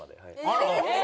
あら！